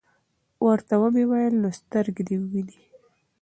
ورته ومي ویل : نو سترګي دي وینې ؟